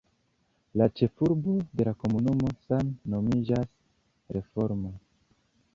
La ĉefurbo de la komunumo same nomiĝas Reforma.